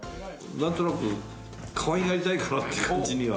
なんとなくかわいがりたいかなって感じには。